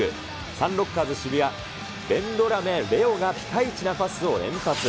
サンロッカーズ渋谷、ベンドラメ礼生がピカイチなパスを連発。